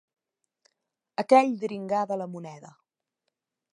Aquell dringar de la moneda